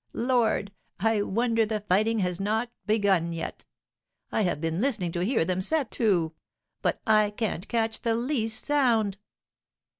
Lord! I wonder the fighting has not begun yet. I have been listening to hear them set to; but I can't catch the least sound."